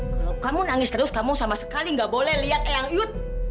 kalau kamu nangis terus kamu sama sekali gak boleh lihat eyang uyud